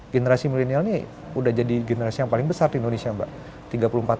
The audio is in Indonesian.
generasi milenial ini udah jadi generasi yang paling besar di indonesia mbak